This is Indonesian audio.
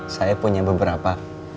saya punya beberapa